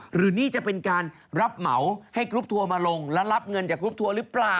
หรือนี่จะเป็นการรับเหมาให้กรุ๊ปทัวร์มาลงและรับเงินจากกรุ๊ปทัวร์หรือเปล่า